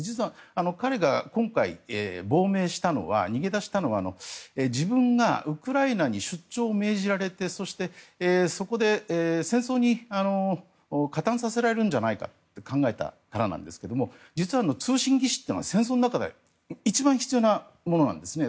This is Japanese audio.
彼が今回、亡命したのは自分がウクライナに出張を命じられてそしてそこで戦争に加担させられるんじゃないかと考えたからなんですが実は、通信技師というのは戦争の中では一番必要なものなんですね。